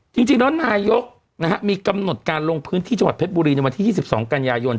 จริงแล้วนายกมีกำหนดการลงพื้นที่จังหวัดเพชรบุรีในวันที่๒๒กันยายน